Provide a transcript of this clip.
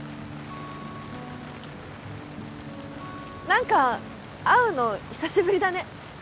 何か会うの久しぶりだね